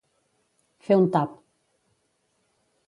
Fer un tap.